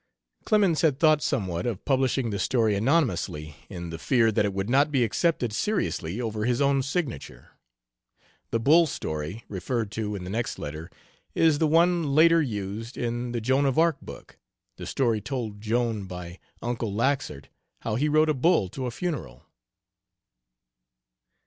Clemens had thought somewhat of publishing the story anonymously, in the fear that it would not be accepted seriously over his own signature. The "bull story" referred to in the next letter is the one later used in the Joan of Arc book, the story told Joan by "Uncle Laxart," how he rode a bull to a funeral.